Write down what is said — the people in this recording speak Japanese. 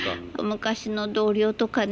昔の同僚とかね。